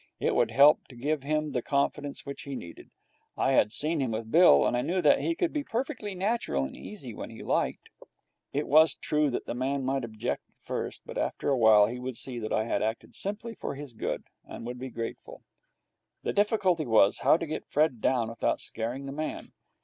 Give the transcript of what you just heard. It would help to give him the confidence which he needed. I had seen him with Bill, and I knew that he could be perfectly natural and easy when he liked. It was true that the man might object at first, but after a while he would see that I had acted simply for his good, and would be grateful. The difficulty was, how to get Fred down without scaring the man.